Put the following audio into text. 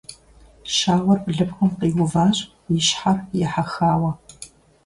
Щауэр блыпкъым къиуващ и щхьэр ехьэхауэ.